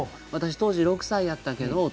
「私当時６歳やったけど」